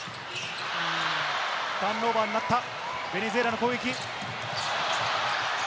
ターンオーバーになったベネズエラの攻撃。